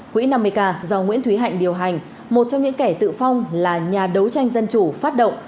quỹ năm mươi k do nguyễn thúy hạnh điều hành một trong những kẻ tự phong là nhà đấu tranh dân chủ phát động